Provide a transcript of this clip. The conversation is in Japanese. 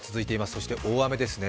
そして大雨ですね。